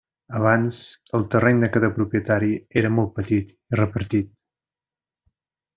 Abans, el terreny de cada propietari era molt petit i repartit.